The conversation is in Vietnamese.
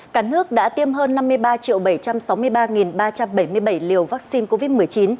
cả nước đã tiêm hơn năm mươi ba bảy trăm sáu mươi ba ba trăm bảy mươi bảy liều vaccine covid một mươi chín